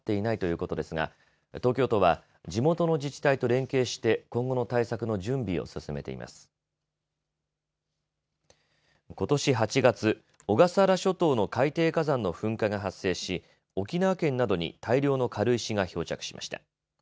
ことし８月、小笠原諸島の海底火山の噴火が発生し沖縄県などに大量の軽石が漂着しました。